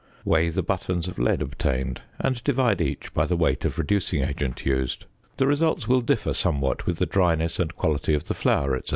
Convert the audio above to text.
Weigh the buttons of lead obtained, and divide each by the weight of reducing agent used. The results will differ somewhat with the dryness and quality of the flour, etc.